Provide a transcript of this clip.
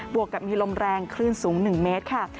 วกกับมีลมแรงคลื่นสูง๑เมตรค่ะ